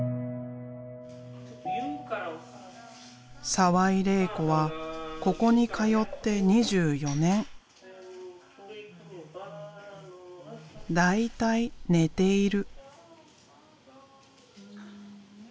澤井玲衣子はここに通って２４年。大体寝ている。